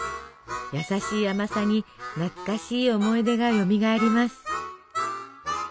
やさしい甘さに懐かしい思い出がよみがえります。